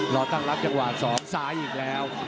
รอตั้งรับจังหวะ๒ซ้ายอีกแล้ว